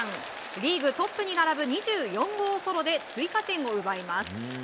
リーグトップに並ぶ２４号ソロで追加点を奪います。